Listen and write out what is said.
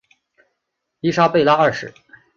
伊莎贝拉二世。